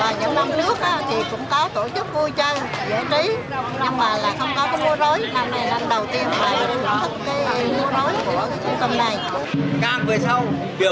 và những năm trước cũng có tổ chức vui chơi giới trí nhưng mà không có mùa dối